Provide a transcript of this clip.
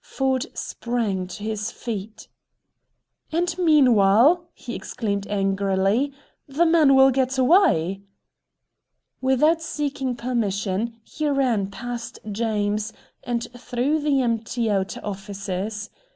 Ford sprang to his feet. "And meanwhile," he exclaimed angrily, "the man will get away." Without seeking permission, he ran past James, and through the empty outer offices.